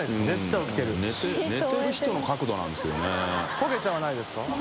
焦げちゃわないですか？